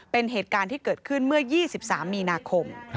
เป็นเหตุการณ์ที่เกิดขึ้นเมื่อ๒๓มีนาคม